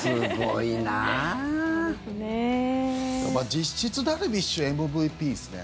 実質ダルビッシュ、ＭＶＰっすね。